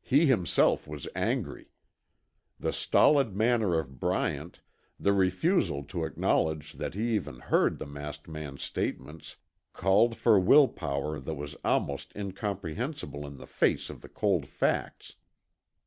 He himself was angry. The stolid manner of Bryant, the refusal to acknowledge that he even heard the masked man's statements called for will power that was almost incomprehensible in the face of the cold facts.